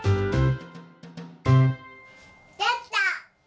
できた！